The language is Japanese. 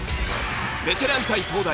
ベテラン対東大